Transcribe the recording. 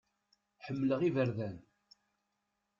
Ḥemmleɣ iberdan.